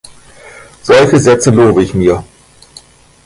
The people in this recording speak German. Solche Sätze lobe ich mir.